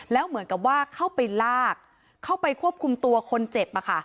แล้วเหมือนกับว่าเข้าไปลากเข้าไปควบคุมตัวคนเจ็บ